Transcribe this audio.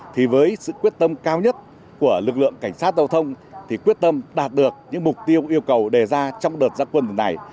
thì với sự quyết tâm cao nhất của lực lượng cảnh sát giao thông thì quyết tâm đạt được những mục tiêu yêu cầu đề ra trong đợt gia quân tuần này